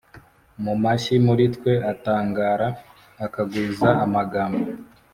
Mu mashyi muri twe atangara akagwiza amagambo